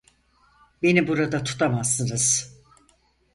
Beni burada tutamazsınız.